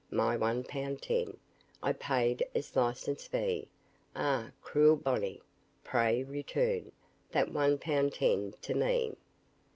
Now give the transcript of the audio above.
my one pound ten! I paid as Licence Fee; Ah! cruel Bonney! pray return, That one pound ten to me.